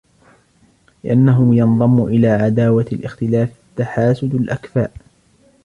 لِأَنَّهُ يَنْضَمُّ إلَى عَدَاوَةِ الِاخْتِلَافِ تَحَاسُدُ الْأَكْفَاءِ